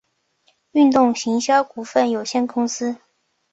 运动行销股份有限公司